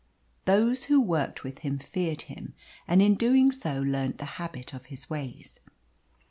Those who worked with him feared him, and in so doing learnt the habit of his ways.